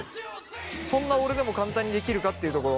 そんな俺でも簡単にできるかっていうところ。